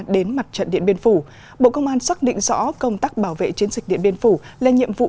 đến mặt trận điện biên phủ bộ công an xác định rõ công tác bảo vệ chiến dịch điện biên phủ là nhiệm vụ